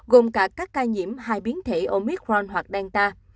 gồm cả các ca nhiễm hay biến thể omicron hoặc delta